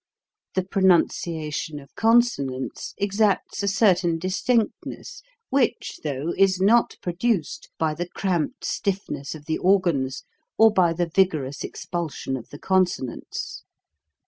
The pronunciation of consonants exacts a cer tain distinctness which, though, is not produced by the cramped stiffness of the organs, or by the vigorous expulsion of the consonants.